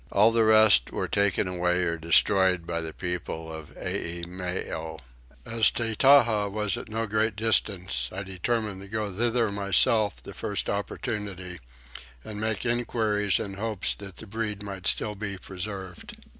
All the rest were taken away or destroyed by the people of Eimeo. As Tettaha was at no great distance I determined to go thither myself the first opportunity, and make enquiries in hopes that the breed might still be preserved.